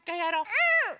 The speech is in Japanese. うん！